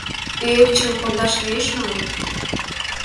Ӱэкчым кондаш лиеш мо?